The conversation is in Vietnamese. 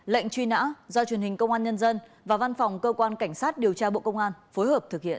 lệnh truy nã do truyền hình công an nhân dân và văn phòng cơ quan cảnh sát điều tra bộ công an phối hợp thực hiện